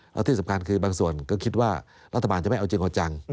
แล้วที่สำคัญคือบางส่วนก็คิดว่ารัฐบาลจะไม่เอาจริงเอาจัง